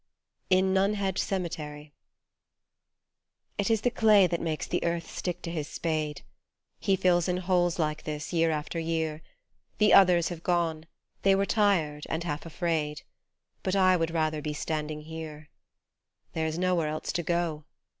20 IN NUNHEAD CEMETERY IT is the clay that makes the earth stick to his spade ; He fills in holes like this year after year ; The others have gone ; they were tired, and half afraid, But I would rather be standing here ; There is nowhere else to go.